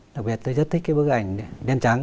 đặc biệt tôi rất thích bức ảnh đen trắng